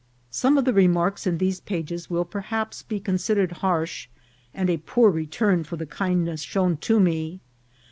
Some of the remarks in these pages will per haps be considered harsh, and a poor return for the kindness shown to me.